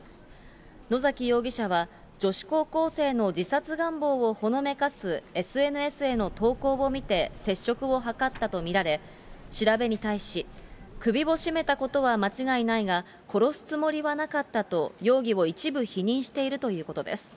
野崎容疑者は、女子高校生の自殺願望をほのめかすＳＮＳへの投稿を見て、接触を図ったと見られ、調べに対し、首を絞めたことは間違いないが、殺すつもりはなかったと、容疑を一部否認しているということです。